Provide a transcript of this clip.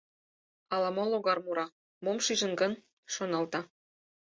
— Ала-мо логар мура, мом шижын гын? — шоналта.